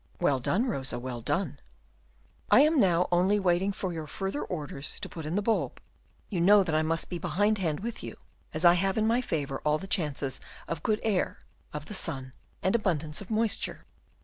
"Well done, Rosa, well done." "I am now only waiting for your further orders to put in the bulb, you know that I must be behindhand with you, as I have in my favour all the chances of good air, of the sun, and abundance of moisture."